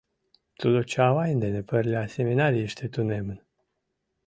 тудо Чавайн дене пырля семинарийыште тунемын